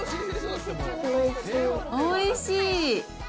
おいしい？